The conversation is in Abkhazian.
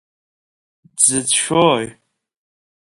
Дзыцәшәои?